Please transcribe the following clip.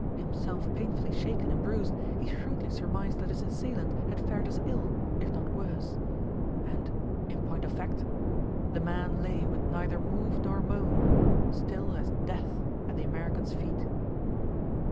Himself painfully shaken and bruised, he shrewdly surmised that his assailant had fared as ill, if not worse. And, in point of fact, the man lay with neither move nor moan, still as death at the American's feet.